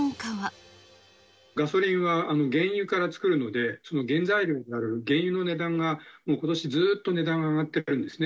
ガソリンは原油から作るので、その原材料となる原油の値段がもうことしずーっと値段が上がってたんですね。